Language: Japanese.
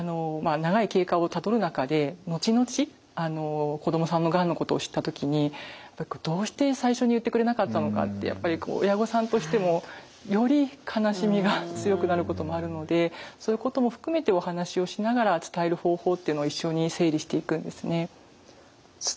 長い経過をたどる中で後々子供さんのがんのことを知った時にどうして最初に言ってくれなかったのかってやっぱり親御さんとしてもより悲しみが強くなることもあるのでそういうことも含めてお話をしながら伝える方法っていうのを一緒に整理していくんですね。